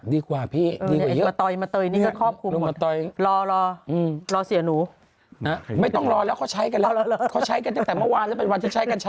ดีกว่าพี่ดีกว่าเยอะ